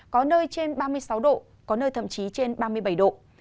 có nơi trên ba mươi sáu độ có nơi thậm chí trên ba mươi bảy độ